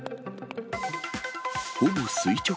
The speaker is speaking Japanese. ほぼ垂直？